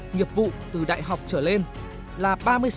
nghiệp vụ từ đại học trở lên là ba mươi sáu bảy trăm bốn mươi hai